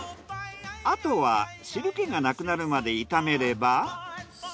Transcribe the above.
あとは汁気がなくなるまで炒めれば。